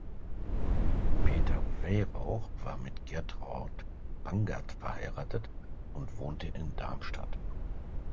Peter Weyrauch war mit Gertraud Bangert verheiratet und wohnte in Darmstadt.